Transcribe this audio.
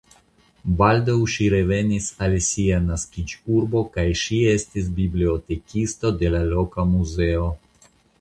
Baldaŭ ŝi revenis al sia naskiĝurbo kaj ŝi estis bibliotekisto de la loka muzeo.